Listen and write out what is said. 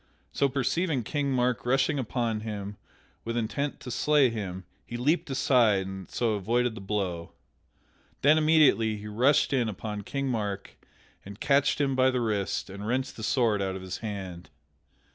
So perceiving King Mark rushing upon him with intent to slay him he leaped aside and so avoided the blow. Then immediately he rushed in upon King Mark and catched him by the wrist and wrenched the sword out of his hand.